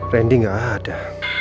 randy nggak ada